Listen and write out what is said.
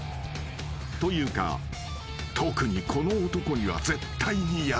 ［というか特にこの男には絶対にやらせたい］